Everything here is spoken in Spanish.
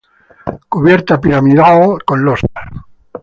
Cubierta piramidal con losas.